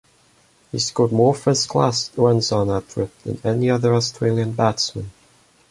He scored more first class runs on that trip than any other Australian batsman.